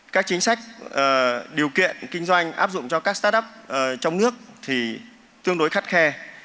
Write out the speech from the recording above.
các chính sách điều kiện kinh doanh áp dụng cho các start up trong nước thì tương đối khắt khe